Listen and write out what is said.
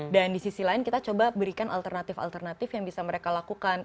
dan di sisi lain kita coba berikan alternatif alternatif yang bisa mereka lakukan